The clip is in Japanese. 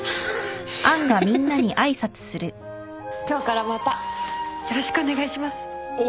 今日からまたよろしくお願いします